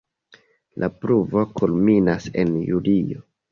La pluvo kulminas en julio.